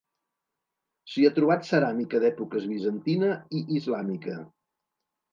S'hi ha trobat ceràmica d'èpoques bizantina i islàmica.